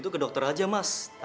mas nggak cari li kisahnya